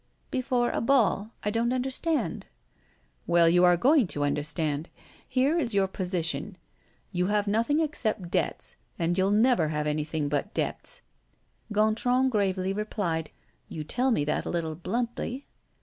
"Before a ball? I don't understand." "Well, you are going to understand. Here is your position: you have nothing except debts; and you'll never have anything but debts." Gontran gravely replied: "You tell me that a little bluntly."